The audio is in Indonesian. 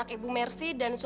selamat siang bu